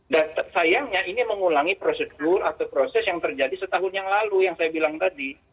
dan sayangnya ini mengulangi prosedur atau proses yang terjadi setahun yang lalu yang saya bilang tadi